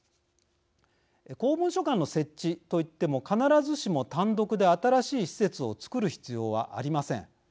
公文書館の設置といっても必ずしも単独で新しい施設をつくる必要はありません。